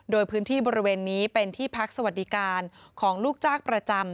โดยพื้นที่บริเวณนี้เป็นที่พักสวัสดิการของลูกจ้างประจำ